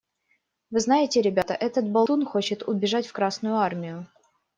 Вы знаете, ребята, этот болтун хочет убежать в Красную Армию!